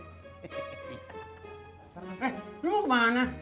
eh lu kemana